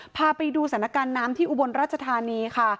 พาไปดูสถานการณ์น้ำที่อุบลราชธานีค่ะ